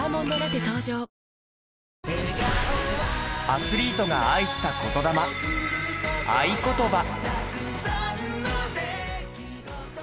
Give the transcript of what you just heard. アスリートが愛した言魂『愛ことば』。